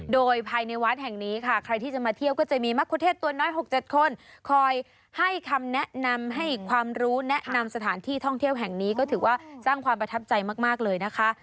โดยภายในวัดแห่งนี้ค่ะใครที่จะมาเที่ยวก็จะมีมะคุเทศตัวน้อย๖๗คนคอยให้คำแนะนำให้ความรู้แนะนำสถานที่ท่องเที่ยวแห่งนี้ก็ถือว่าสร้างความประทับใจมากเลยนะคะ